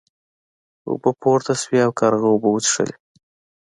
اوبه پورته شوې او کارغه اوبه وڅښلې.